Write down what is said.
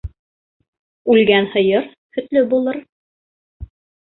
Үлгән һыйыр һөтлө булыр.